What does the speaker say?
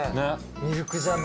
ミルクジャム。